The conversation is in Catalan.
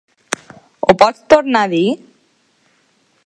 Ho pots tornar a dir?